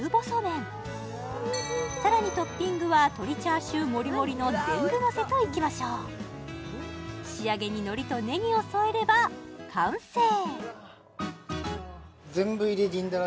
さらにトッピングは鶏チャーシューもりもりの全部のせといきましょう仕上げにのりとねぎを添えれば完成全部入り銀だら